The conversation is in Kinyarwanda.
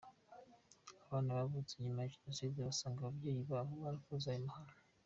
abana bavutse nyuma ya jenoside basanga ababyeyi babo barakoze ayo mahano.